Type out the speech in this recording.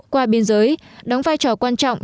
qua biên giới đóng vai trò quan trọng